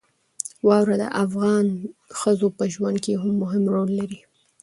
واوره د افغان ښځو په ژوند کې هم رول لري.